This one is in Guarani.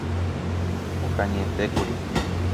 Okañyetékuri.